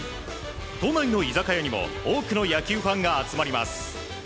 都内の居酒屋にも多くの野球ファンが集まります。